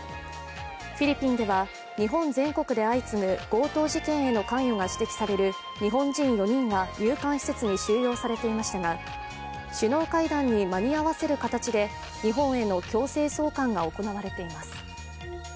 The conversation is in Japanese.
フィリピンでは、日本全国で相次ぐ強盗事件への関与が指摘される日本人４人が入管施設に収容されていましたが首脳会談に間に合わせる形で日本への強制送還が行われています。